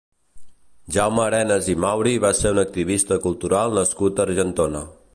Jaume Arenas i Mauri va ser un activista cultural nascut a Argentona.